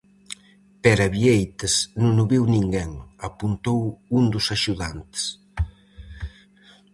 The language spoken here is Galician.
-Pero a Bieites non o viu ninguén -apuntou un dos axudantes.